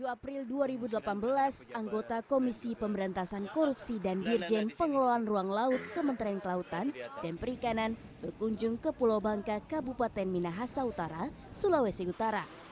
dua puluh april dua ribu delapan belas anggota komisi pemberantasan korupsi dan dirjen pengelolaan ruang laut kementerian kelautan dan perikanan berkunjung ke pulau bangka kabupaten minahasa utara sulawesi utara